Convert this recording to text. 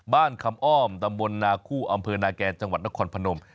คำอ้อมตำบลนาคู่อำเภอนาแกนจังหวัดนครพนม